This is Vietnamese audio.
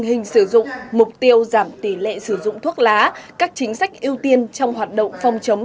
hình sử dụng mục tiêu giảm tỷ lệ sử dụng thuốc lá các chính sách ưu tiên trong hoạt động phòng chống